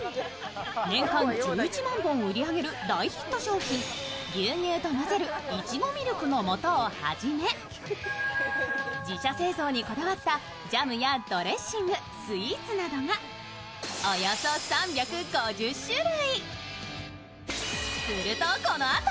年間１１万本売り上げる大ヒット商品、牛乳と混ぜるいちごミルクの素をはじめ自社製造にこだわったジャムやドレッシング、スイーツなどがおよそ３５０種類。